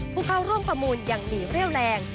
ผู้เข้าร่วมประมูลยังมีเรี่ยวแรง